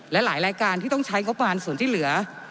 หลายรายการที่ต้องใช้งบประมาณส่วนที่เหลือ